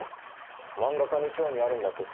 漫画家に興味あるんだってさ。